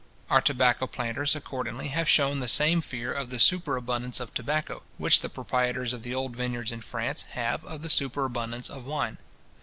Our tobacco planters, accordingly, have shewn the same fear of the superabundance of tobacco, which the proprietors of the old vineyards in France have of the superabundance of wine.